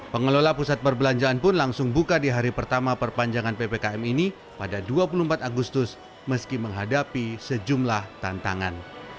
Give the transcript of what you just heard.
pengelola pusat perbelanjaan pun langsung buka di hari pertama perpanjangan ppkm ini pada dua puluh empat agustus meski menghadapi sejumlah tantangan